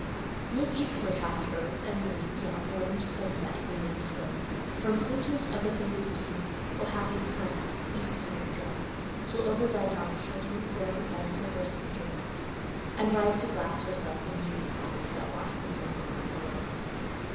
Move eastward, happy earth, and leave Yon orange sunset waning slow: From fringes of the faded eve, O, happy planet, eastward go; Till over thy dark shoulder glow Thy silver sister world, and rise To glass herself in dewy eyes That watch me from the glen below.